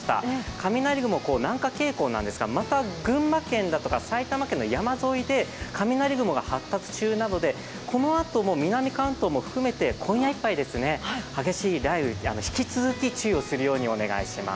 雷雲、南下傾向なんですが、群馬県だとか埼玉県の山沿いで雷雲が発達中なのでこのあとも南関東を含めて今夜いっぱい激しい雷雨に引き続き注意をするようにお願いします。